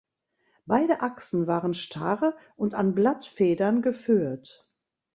Beide Achsen waren starr und an Blattfedern geführt.